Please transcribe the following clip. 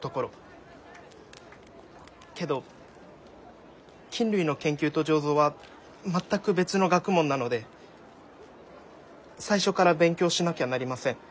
けど菌類の研究と醸造は全く別の学問なので最初から勉強しなきゃなりません。